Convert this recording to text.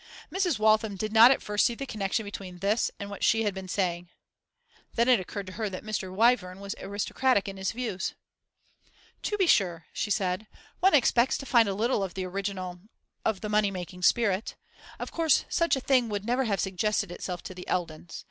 Mrs. Waltham did not at first see the connection between this and what she had been saying. Then it occurred to her that Mr. Wyvern was aristocratic in his views. 'To be sure,' she said, 'one expects to find a little of the original of the money making spirit. Of course such a thing would never have suggested itself to the Eldons.